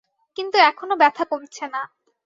কিন্তু এখনো ব্যথা কমছে না।